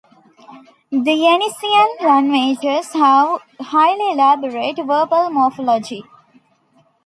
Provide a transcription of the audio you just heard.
The Yeniseian languages have highly elaborate verbal morphology.